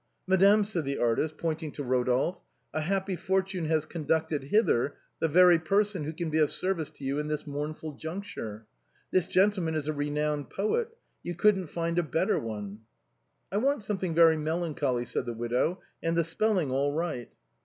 "Madame," said the artist, pointing to Eodolphe, " happy fortune has conducted hither the very person who can be of service to you in this mournful juncture. This gentleman is a renowned poet ; you couldn't find a better." "I want something very melancholy," said the widow, " and the spelling all right."